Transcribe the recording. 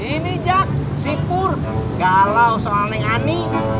ini jack si pur galau soal neng ani